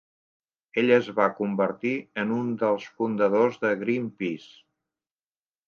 Ell es va convertir en un dels fundadors de Greenpeace.